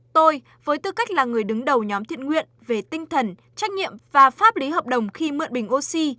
tôi với tư cách là người đứng đầu nhóm thiện nguyện về tinh thần trách nhiệm và pháp lý hợp đồng khi mượn bình oxy